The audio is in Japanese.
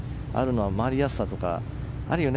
回りやすさとかあるよね。